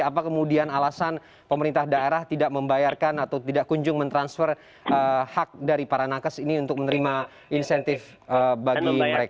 apa kemudian alasan pemerintah daerah tidak membayarkan atau tidak kunjung mentransfer hak dari para nakes ini untuk menerima insentif bagi mereka